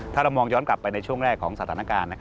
ถ้าเรามองย้อนกลับไปในช่วงแรกของสถานการณ์